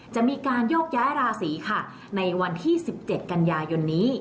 จะมีการโยกย้ายราศีค่ะในวันที่๑๗กันยายนนี้